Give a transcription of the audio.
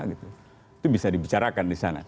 itu bisa dibicarakan di sana